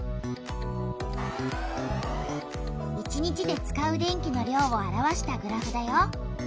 １日で使う電気の量を表したグラフだよ。